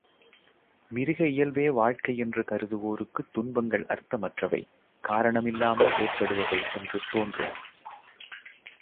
மிருக இயல்பே வாழ்க்கை யென்று கருதுவோருக்குத் துன்பங்கள் அர்த்தமற்றவை, காரணமில்லாமல் ஏற்படுபவை என்று தோன்றும்.